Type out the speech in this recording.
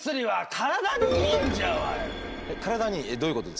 体にいい？どういうことですか？